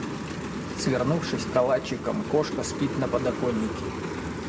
Свернувшись калачиком, кошка спит на подоконнике.